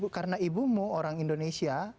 karena ibumu orang indonesia